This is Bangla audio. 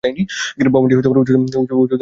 ভবনটি উঁচু দেয়াল দিলে সংরক্ষিত।